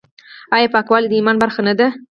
آیا پاکوالی د ایمان برخه نه ده؟